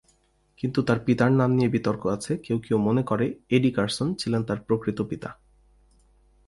কিন্তু তার পিতার নাম নিয়ে বিতর্ক আছে কেউ কেউ মনে করে, এডি কারসন ছিলেন তার প্রকৃত পিতা।